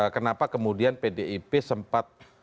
kenapa kemudian pdip sempat